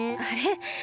あれ？